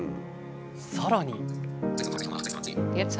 さらに。